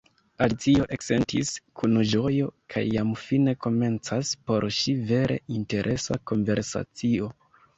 Alicio eksentis kun ĝojo ke jam fine komencas por ŝi vere interesa konversacio.